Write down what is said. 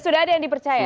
sudah ada yang dipercaya